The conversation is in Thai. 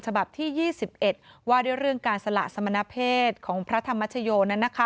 ฉบับที่๒๑ว่าด้วยเรื่องการสละสมณเพศของพระธรรมชโย